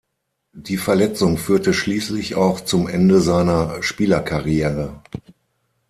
Die Verletzung führte schließlich auch zum Ende seiner Spielerkarriere.